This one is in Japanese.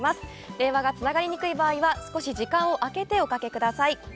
電話がつながりにくい場合は少し時間を空けておかけください。